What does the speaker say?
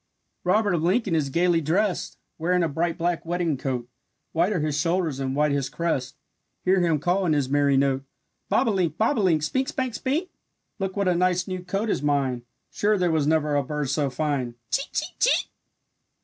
Robert of Lincoln is gaily drest, Wearing a bright black wedding coat, White are his shoulders and white his crest. Hear him call in his merry note: "Bobolink, bob o' link, Spink, spank, spink; Look what a nice new coat is mine, Sure there was never a bird so fine! Chee, chee, chee!"